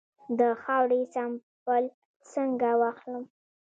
د خاورې سمپل څنګه واخلم؟